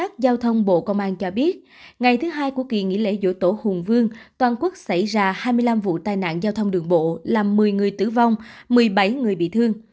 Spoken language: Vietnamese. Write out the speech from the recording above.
trước đó ngày chín tháng bốn cả nước xảy ra hai mươi năm vụ tai nạn giao thông đường bộ năm mươi người tử vong một mươi bảy người bị thương